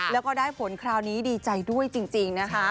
แล้วก็ได้ผลคราวนี้ดีใจด้วยจริงนะคะ